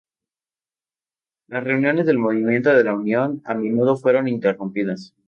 Las reuniones del Movimiento de la Unión a menudo fueron interrumpidas.